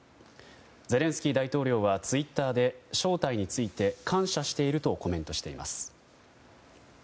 ゼレンスキー大統領はツイッターで招待について感謝しているとコメントしています。